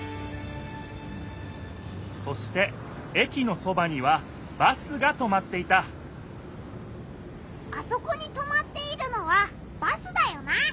そしてえきのそばにはバスがとまっていたあそこにとまっているのはバスだよな！